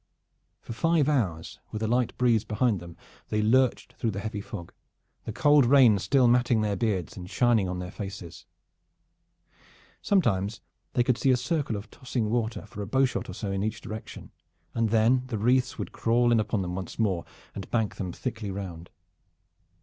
For five hours with a light breeze behind them they lurched through the heavy fog, the cold rain still matting their beards and shining on their faces. Sometimes they could see a circle of tossing water for a bowshot or so in each direction, and then the wreaths would crawl in upon them once more and bank them thickly round.